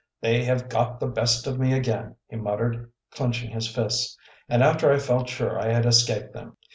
"They have got the best of me again!" he muttered, clenching his fists. "And after I felt sure I had escaped them.